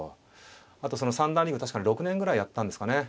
あとその三段リーグ確か６年ぐらいやったんですかね。